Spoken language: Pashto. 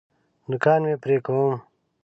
نوکان مي پرې کوم .